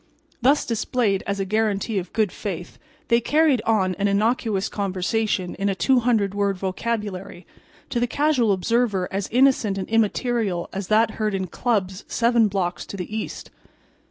Thus displayed as a guarantee of good faith, they carried on an innocuous conversation in a 200 word vocabulary, to the casual observer as innocent and immaterial as that heard in clubs seven blocks to the east.